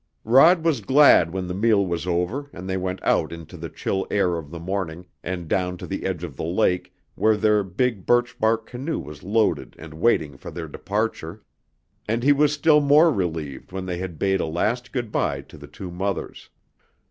Rod was glad when the meal was over and they went out into the chill air of the morning, and down to the edge of the lake, where their big birch bark canoe was loaded and waiting for their departure, and he was still more relieved when they had bade a last good by to the two mothers.